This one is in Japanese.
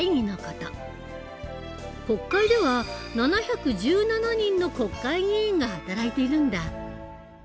国会では７１７人の国会議員が働いているんだ。